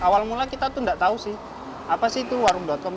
awal mula kita tuh nggak tahu sih apa sih itu warung com